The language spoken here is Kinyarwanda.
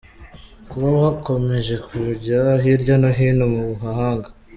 Kuba bakomeje kujya hirya no hino mu mahanga